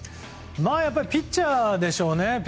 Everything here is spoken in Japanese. やっぱりピッチャーでしょうね。